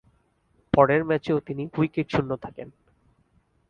পরের ম্যাচেও তিনি উইকেট শুন্য থাকেন।